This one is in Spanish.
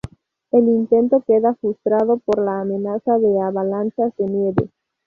El intento queda frustrado por la amenaza de avalanchas de nieve.